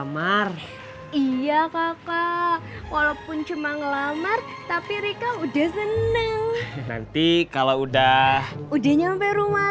mar iya kakak walaupun cuma ngelamar tapi rika udah seneng nanti kalau udah udah nyampe rumah